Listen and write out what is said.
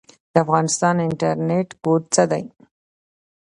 د افغانستان انټرنیټ کوډ څه دی؟